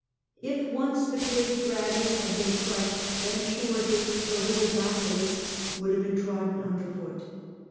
If once " the great dragon " had been crushed, then assuredly " the little basilisks " would STUPOR MUNDI 295 have been trodden underfoot.